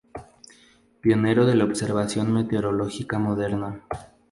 Pionero de la observación meteorológica moderna.